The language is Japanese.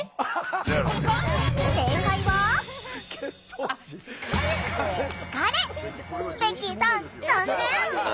うんベッキーさん残念！